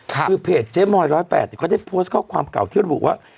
คือเพจเจ๊มอย๑๐๘ก็ได้โพสต์ข้อความเก่าที่ระบุว่า